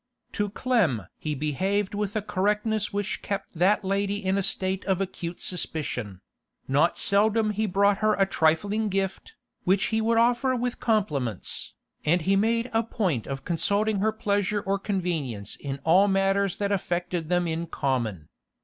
To Clem he behaved with a correctness which kept that lady in a state of acute suspicion; not seldom he brought her a trifling gift, which he would offer with compliments, and he made a point of consulting her pleasure or convenience in all matters that affected them in common.